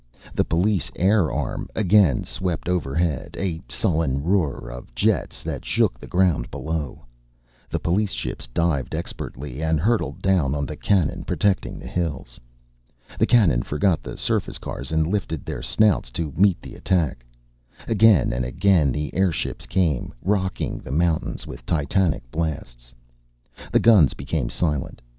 The police air arm again swept overhead, a sullen roar of jets that shook the ground below. The police ships divided expertly and hurtled down on the cannon protecting the hills. The cannon forgot the surface cars and lifted their snouts to meet the attack. Again and again the airships came, rocking the mountains with titanic blasts. The guns became silent.